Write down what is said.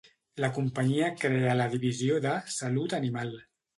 La companyia crea la divisió de Salut Animal.